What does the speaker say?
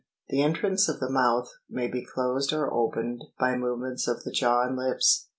The entrance to the mouth may be closed or opened by movements of the jaws and lips.